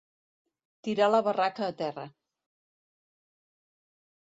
Tirar la barraca a terra.